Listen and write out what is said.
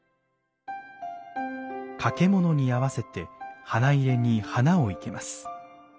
掛物に合わせて花入に花を生けます。